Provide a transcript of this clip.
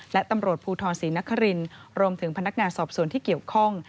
และตำรวจภูทรศรีนครินรวมถึงพนักงานสอบส่วนที่เกี่ยวข้อง